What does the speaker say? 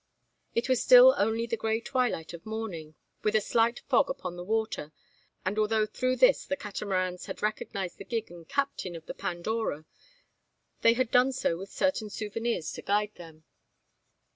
It was still only the grey twilight of morning, with a slight fog upon the water; and although through this the Catamarans had recognised the gig and captain of the Pandora they had done so with certain souvenirs to guide them.